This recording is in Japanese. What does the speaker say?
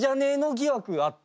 疑惑あって。